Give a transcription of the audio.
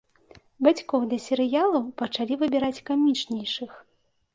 Бацькоў для серыялаў пачалі выбіраць камічнейшых.